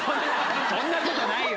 そんなことないよ。